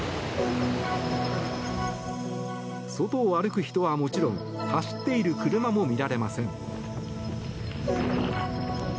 外を歩く人はもちろん走っている車も見られません。